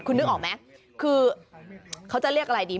คุณนึกออกไหมคือเขาจะเรียกอะไรดี